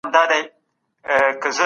ولسي جرګه د ولس ږغ پورته کوي.